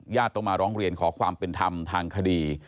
ต้องมาร้องเรียนขอความเป็นธรรมทางคดี